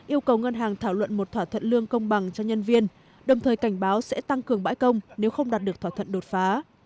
yêu cầu ngân hàng thảo luận một thỏa thuận lương công bằng cho nhân viên đồng thời cảnh báo sẽ tăng cường bãi công nếu không đạt được thỏa thuận đột phá